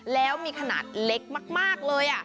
แล้วมีขนาดเล็กมากเลย